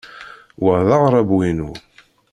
Wa d aɣerrabu-inu.